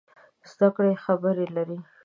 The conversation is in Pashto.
زده کړې خبرې لري.